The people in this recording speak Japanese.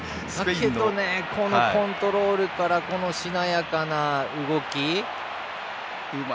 このコントロールからしなやかな動き。